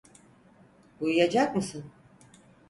Uyuyacak mısın?